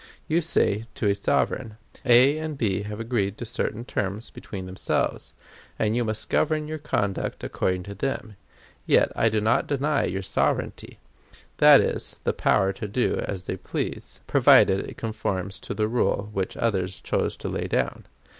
You say to a sovereign: "A and B have agreed on certain terms between themselves, and you must govern your conduct according to them; yet I do not deny your sovereignty!" That is, the power to do as they please, provided it conforms to the rule which others chose to lay down!